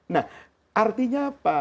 nah artinya apa